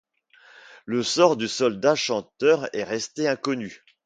Le sort du soldat chanteur est resté inconnu.